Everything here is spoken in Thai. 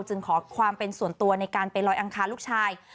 จึงขอความเป็นส่วนตัวในการไปลอยอังคารลูกชาย